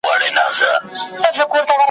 ماته مي پیاله کړه میخانې را پسي مه ګوره ,